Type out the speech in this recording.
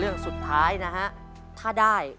เรื่องสุดท้ายนะครับ